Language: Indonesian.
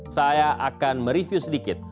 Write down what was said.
saya akan mereview sedikit